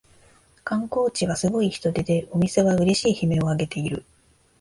観光地はすごい人出でお店はうれしい悲鳴をあげている